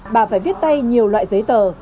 bà phải viết tay nhiều loại giấy tờ